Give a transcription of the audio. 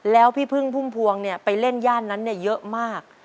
แล้วพี่พึ่งภูมิภวงเนี่ยไปเล่นย่านนั้นเนี่ยเยอะมาก